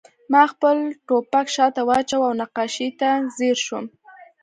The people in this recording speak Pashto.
ما خپل ټوپک شاته واچاوه او نقاشۍ ته ځیر شوم